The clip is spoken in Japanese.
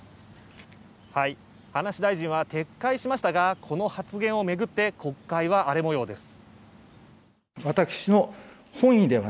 葉梨大臣は撤回しましたがこの発言を巡って国会は荒れ模様です。